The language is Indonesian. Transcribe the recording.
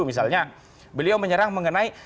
misalnya beliau menyerang mengenai